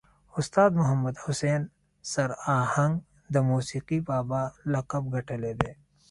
استاذ محمد حسین سر آهنګ د موسیقي بابا لقب ګټلی دی.